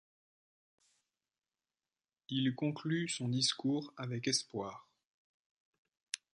Il conclut son discours avec espoir.